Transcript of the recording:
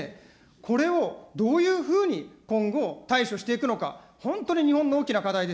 これをどういうふうに今後、対処していくのか、本当に日本の大きな課題です。